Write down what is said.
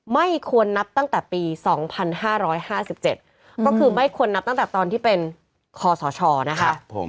ไม่ควรนับตั้งแต่ปี๒๕๕๗ก็คือไม่ควรนับตั้งแต่ตอนที่เป็นคอสชนะคะ